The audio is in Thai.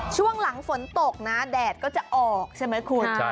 ช่วงหลังฝนตกนะแดดก็จะออกใช่ไหมคุณ